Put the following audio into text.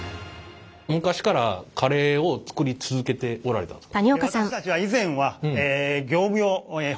昔からカレーを作り続けておられたんですか？